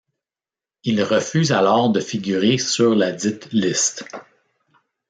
Il refuse alors de figurer sur ladite liste.